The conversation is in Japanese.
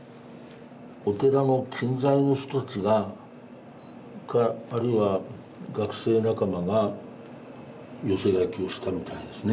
お寺の近在の人たちがあるいは学生仲間が寄せ書きをしたみたいですね。